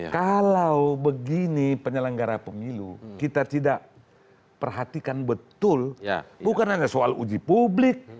kalau begini penyelenggara pemilu kita tidak perhatikan betul bukan hanya soal uji publik